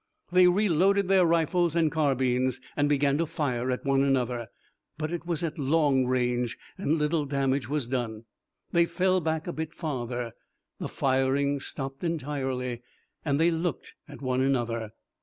They reloaded their rifles and carbines and began to fire at one another, but it was at long range, and little damage was done. They fell back a bit farther, the firing stopped entirely, and they looked at one another.